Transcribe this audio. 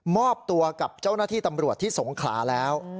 มอบตัวกับเจ้าหน้าที่ตำรวจที่สงขลาแล้ว